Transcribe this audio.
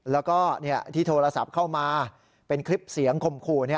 แล้วก็ที่โทรศัพท์เข้ามาเป็นคลิปเสียงข่มขู่